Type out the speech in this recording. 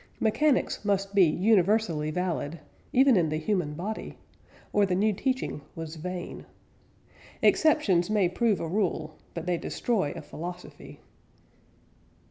Mechanics must be universally valid even in the human body or the new teaching was vain. Exceptions may prove a rule, but they destroy a philosophy.